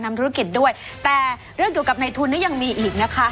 ทำธุรกิจด้วยแต่เรื่องเกี่ยวกับในทุนนี่ยังมีอีกนะคะ